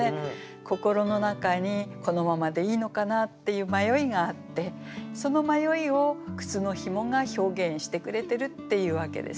心の中にこのままでいいのかなっていう迷いがあってその迷いを靴のひもが表現してくれてるっていうわけですね。